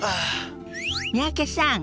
三宅さん